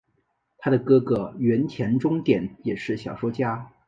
她的哥哥原田宗典也是小说家。